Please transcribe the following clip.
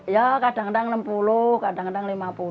ya kadang kadang enam puluh kadang kadang lima puluh